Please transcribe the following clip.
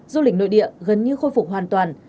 du lịch nội địa gần như khôi phục hoàn toàn